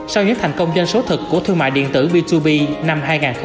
sau những thành công doanh số thực của thương mại điện tử b hai b năm hai nghìn hai mươi một